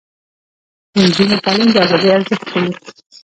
د نجونو تعلیم د ازادۍ ارزښت ښيي.